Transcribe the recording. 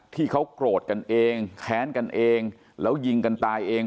ที่เขาโกรธกันเองแค้นกันเองแล้วยิงกันตายเอง